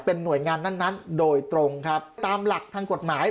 เป็นหน่วยงานนั้นนั้นโดยตรงครับตามหลักทางกฎหมาย